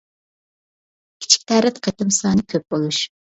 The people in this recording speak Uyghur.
كىچىك تەرەت قېتىم سانى كۆپ بولۇش.